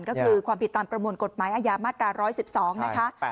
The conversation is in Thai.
ก็คือความผิดตามประมวลกฎหมายอาญามาตรา๑๑๒นะคะ